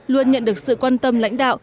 luôn nhận được sự quan tâm lãnh đạo